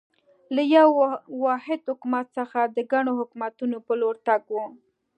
له یوه واحد حکومت څخه د ګڼو حکومتونو په لور تګ و.